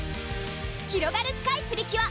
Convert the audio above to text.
ひろがるスカイ！プリキュア